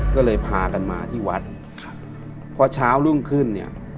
ก็เลยพากันมาที่วัดครับพอเช้ารุ่งขึ้นเนี่ย